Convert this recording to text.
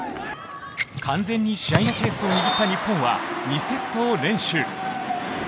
完全に試合のペースを握った日本は２セットを連取。